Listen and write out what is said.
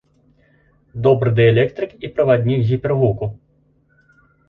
Добры дыэлектрык і праваднік гіпергуку.